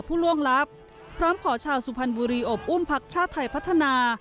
ผู้ล่วงลับพร้อมขอชาวสุพรรณบุรีอบอุ้มพักชาติไทยพัฒนา